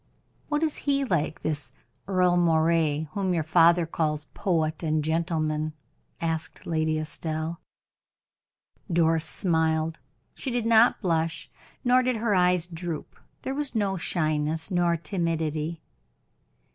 What is he like, this Earle Moray, whom your father calls poet and gentleman?" asked Lady Estelle. Doris smiled. She did not blush, nor did her eyes droop; there was no shyness nor timidity.